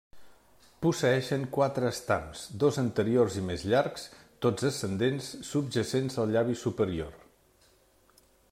Posseeixen quatre estams, dos anteriors i més llargs, tots ascendents, subjacents al llavi superior.